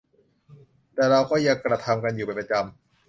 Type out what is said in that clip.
แต่เราก็ยังกระทำกันอยู่เป็นประจำ